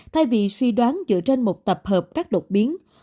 thay vì suy đoán dựa trên một tập hợp các đột biến